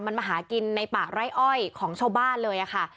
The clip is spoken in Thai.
มันมาหากินในป่าไร่อ้อยของชาวบ้านเลยค่ะ